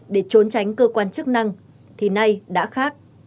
để trốn tránh cơ quan chức năng thì nay đã khác